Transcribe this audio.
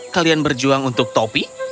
kalian berjuang untuk topi